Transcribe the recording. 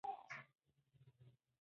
قوي ټولنه پر عدالت ولاړه وي